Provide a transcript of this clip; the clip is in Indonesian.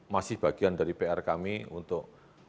masih bagian dari pr kami untuk